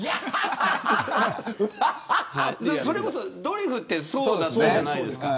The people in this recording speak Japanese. それこそ、ドリフってそうだったじゃないですか。